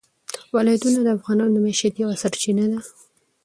ولایتونه د افغانانو د معیشت یوه سرچینه ده.